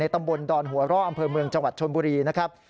ตำบลดอนหัวร่ออำเภอเมืองจังหวัดชนบุรีนะครับ